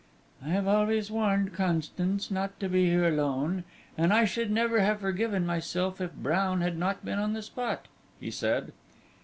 "I have always warned Constance not to be here alone, and I should never have forgiven myself if Brown had not been on the spot," he said.